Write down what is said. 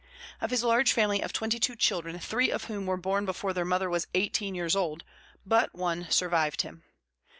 Of his large family of twenty two children, three of whom were born before their mother was eighteen years old, but one survived him.